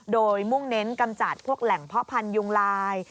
โดยมุ่งเน้นกำจัดพวกแหล่งเพาะพันธุยุงลาย